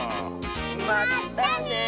まったね！